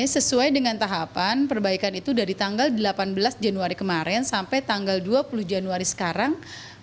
sesuai dengan tahapan perbaikan itu dari tanggal delapan belas januari kemarin sampai tanggal dua puluh januari sekarang